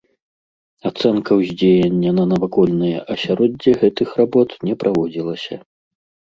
Ацэнка ўздзеяння на навакольнае асяроддзе гэтых работ не праводзілася.